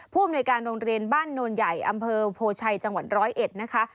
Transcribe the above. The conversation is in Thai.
ผู้อำนวยการโรงเรียนบ้านโนนใหญ่อำเภอโพชัยจังหวัดร้อยเอ็ดนะคะ